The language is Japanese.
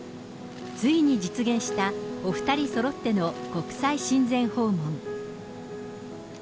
ついに実現した、お２人そろっての国際親善訪問。